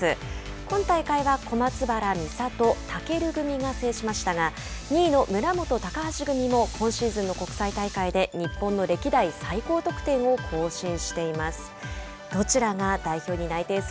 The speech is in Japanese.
今大会は小松原美里・尊組が制しましたが２位の村元・高橋組も今シーズンの国際大会で日本の歴代最高得点を更新しています。